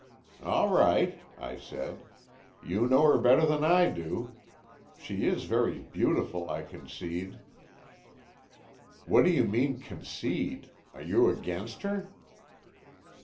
"All right," I said, "you know her better than I do, She is very beautiful, I concede." "What do you mean, concede? Are you against her?"